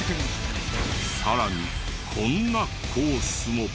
さらにこんなコースも！